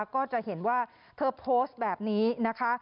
ก็จะเห็นว่าเธอโพสต์แบบนี้นะคะ